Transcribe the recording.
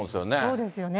そうですよね。